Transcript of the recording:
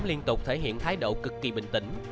liên tục thể hiện thái độ cực kỳ bình tĩnh